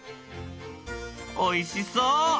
おいしそう！